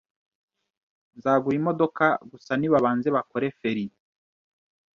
Nzagura imodoka gusa nibabanze bakosore feri .